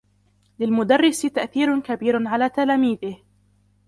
للمدرس تأثير كبير على تلاميذه.